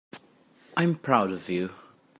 I'm proud of you.